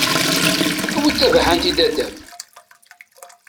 Awi-d tabaḥant i dada-m!